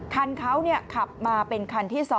คันเขาขับมาเป็นคันที่๒